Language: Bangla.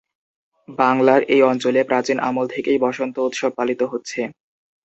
বাংলার এই অঞ্চলে, প্রাচীন আমল থেকেই বসন্ত উৎসব পালিত হচ্ছে।